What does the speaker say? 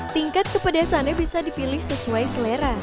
tingkat kepedasannya bisa dipilih sesuai selera